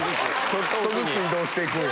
ちょっとずつ移動していくんや。